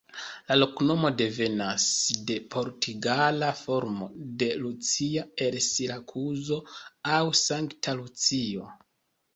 La loknomo devenas de portugala formo de Lucia el Sirakuzo aŭ "Sankta Lucio".